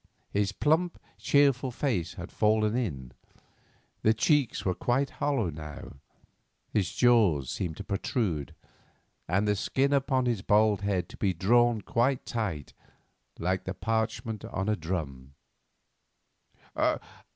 His plump, cheerful face had fallen in; the cheeks were quite hollow now; his jaws seemed to protrude, and the skin upon his bald head to be drawn quite tight like the parchment on a drum.